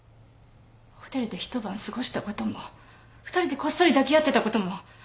ホテルで一晩過ごしたことも２人でこっそり抱き合ってたことも。